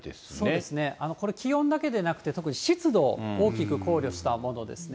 そうですね、これ、気温だけでなくて、とくに湿度を大きく考慮したものですね。